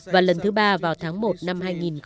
và lần thứ ba vào tháng một năm hai nghìn một mươi năm